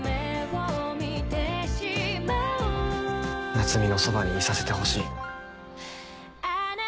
夏海のそばにいさせてほしい。